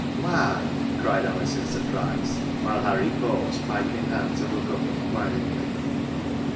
" Why ?" cried Alice in surprise, while Hairy paused, pipe in hand, to look up inquiringly.